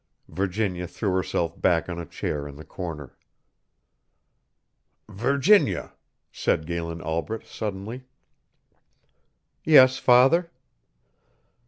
Virginia threw herself back on a chair in the corner. "Virginia," said Galen Albret, suddenly. "Yes, father."